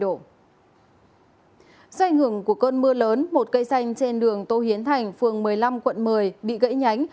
do ảnh hưởng của cơn mưa lớn một cây xanh trên đường tô hiến thành phường một mươi năm quận một mươi bị gãy nhánh